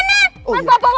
eh mau pinter mereka